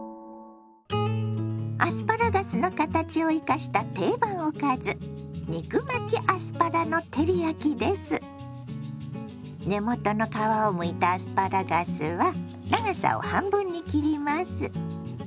アスパラガスの形を生かした定番おかず根元の皮をむいたアスパラガスは長さを半分に切ります。